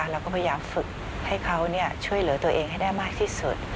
เราก็พยายามฝึกให้เขาช่วยเหลือตัวเองให้ได้มากที่สุด